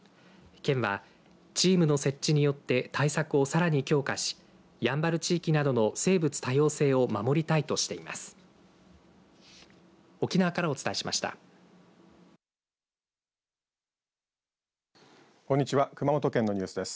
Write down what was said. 県は、チームの設置によって対策をさらに強化しやんばる地域などの生物多様性を守りたいとしています。